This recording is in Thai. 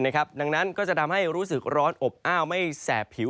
ดังนั้นก็จะทำให้รู้สึกร้อนอบอ้าวไม่แสบผิว